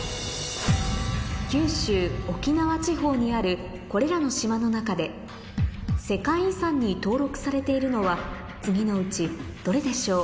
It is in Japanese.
九州・沖縄地方にあるこれらの島の中で世界遺産に登録されているのは次のうちどれでしょう？